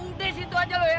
untuk di situ saja ya